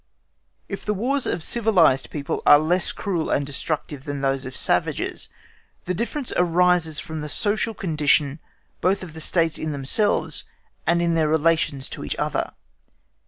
If the Wars of civilised people are less cruel and destructive than those of savages, the difference arises from the social condition both of States in themselves and in their relations to each other.